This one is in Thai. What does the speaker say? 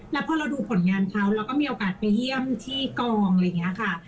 แล้วพอเราดูผลงานเขาเราก็มีโอกาสไปเยี่ยมที่กองอะไรอย่างนี้ค่ะ